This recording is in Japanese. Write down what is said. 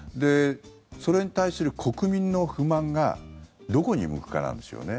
それに対する国民の不満がどこに向くかなんですよね。